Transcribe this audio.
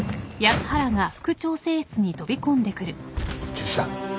・・中止だ。